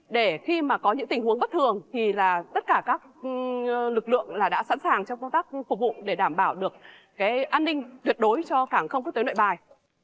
để khi mà có những tình huống bất thường thì là tất cả các lực lượng đã sẵn sàng trong công tác phục vụ để đảm bảo được an ninh tuyệt đối cho cảng không quốc tế nội bài